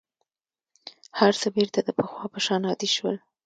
هر څه بېرته د پخوا په شان عادي شول.